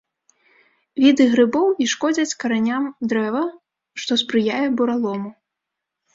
Віды грыбоў і шкодзяць караням дрэва, што спрыяе буралому.